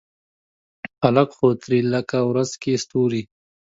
هلک څو توري لکه ورځ کې ستوري